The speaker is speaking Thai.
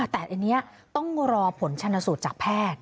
แต่อันนี้ต้องรอผลชนสูตรจากแพทย์